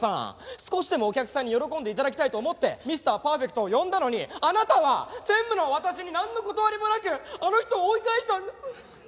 少しでもお客さんに喜んで頂きたいと思ってミスター・パーフェクトを呼んだのにあなたは専務の私になんの断りもなくあの人を追い返した。